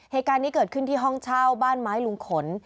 เหตุการณ์นี้เกิดขึ้นที่ห้องเช่าบ้านไม้ลุงขน